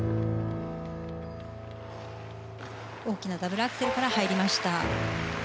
大きなダブルアクセルから入りました。